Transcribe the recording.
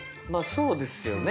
そうですよね。